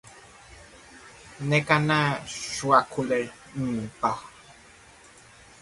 Neka na chwakule mbaha.